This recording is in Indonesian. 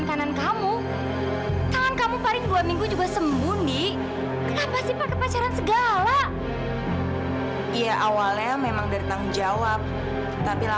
sampai jumpa di video selanjutnya